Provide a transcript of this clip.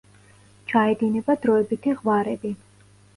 ჩაედინება დროებითი ღვარები.